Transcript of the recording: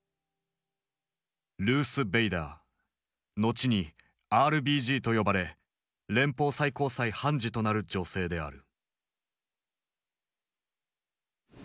後に「ＲＢＧ」と呼ばれ連邦最高裁判事となる女性である。